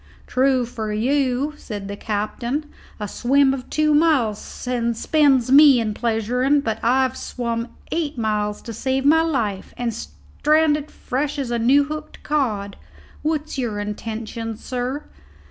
"True for you," says the captain. "A swim of two miles spends me in pleasurin'; but I've swum eight mile to save my life, and stranded fresh as a new hooked cod. What's your intentions, sir?"